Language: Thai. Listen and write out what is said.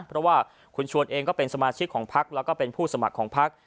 เพราะว่าคุณชวนเองก็เป็นสมาชิกของพักแล้วก็เป็นผู้สมัครของพัก